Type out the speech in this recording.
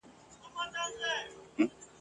د خوني زمري منګولو څيرولم !.